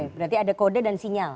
berarti ada kode dan sinyal